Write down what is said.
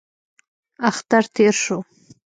اختر تېر شو.